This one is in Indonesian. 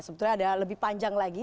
sebetulnya ada lebih panjang lagi